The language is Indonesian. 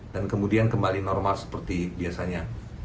dan kemudian kembali normal seperti biasanya